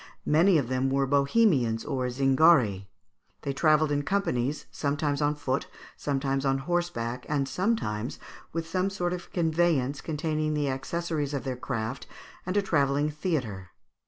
Many of them were Bohemians or Zingari. They travelled in companies, sometimes on foot, sometimes on horseback, and sometimes with some sort of a conveyance containing the accessories of their craft and a travelling theatre.